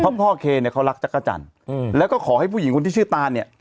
เพราะพ่อเคเนี่ยเขารักจักรจันทร์แล้วก็ขอให้ผู้หญิงคนที่ชื่อตานเนี่ย